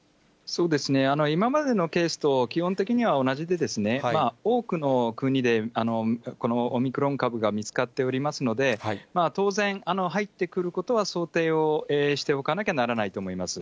今までのケースと基本的には同じで、多くの国でこのオミクロン株が見つかっておりますので、当然、入ってくることは想定をしておかなきゃならないと思います。